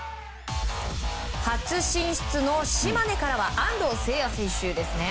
初進出の島根からは安藤誓哉選手ですね。